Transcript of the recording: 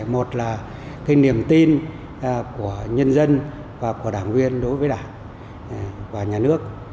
một là cái niềm tin của nhân dân đảng viên đối với đảng và nhà nước